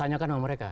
tanyakan sama mereka